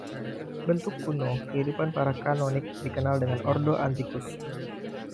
Bentuk kuno kehidupan para kanonik dikenal dengan “Ordo Antiquus”.